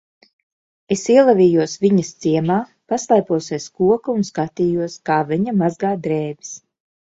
Es ielavījos viņas ciemā, paslēpos aiz koka un skatījos, kā viņa mazgā drēbes.